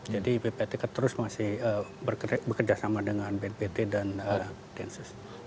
jadi ppatk terus masih bekerjasama dengan ppatk dan densus